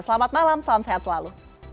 selamat malam salam sehat selalu